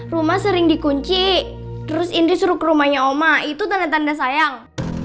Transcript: rumah sering dikunci terus indisruk rumahnya oma itu tanda tanda sayang